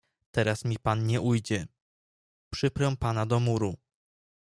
"Teraz mi pan nie ujdzie, przyprę pana do muru."